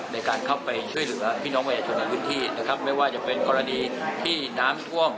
ในการเข้าไปช่วยเหลือพี่น้องประชาชนในพื้นที่นะครับไม่ว่าจะเป็นกรณีที่น้ำท่วม